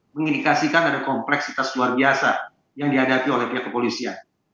mengindikasikan ada kompleksitas luar biasa yang dihadapi oleh pihak kepolisian